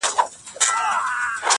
سلا کار به د پاچا او د امیر یې!!